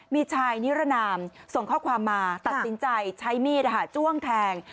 มีชายนิรนามส่งข้อความมาตัดสินใจใช้มีดจ้วงแทง